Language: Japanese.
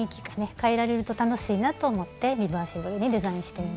変えられると楽しいなと思ってリバーシブルにデザインしてみました。